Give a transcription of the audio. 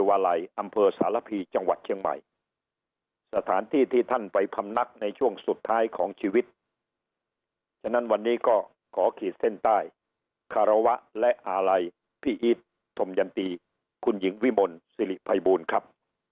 วาลัยอำเภอสารพีจังหวัดเชียงใหม่สถานที่ที่ท่านไปพำนักในช่วงสุดท้ายของชีวิตฉะนั้นวันนี้ก็ขอขีดเส้นใต้คารวะและอาลัยพี่อีทธมยันตีคุณหญิงวิมลสิริภัยบูลครับ